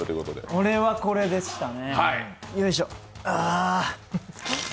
俺はこれでしたね。